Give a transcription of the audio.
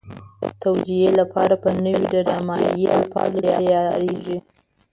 د توجیه لپاره به نوي ډرامایي الفاظ تیارېږي.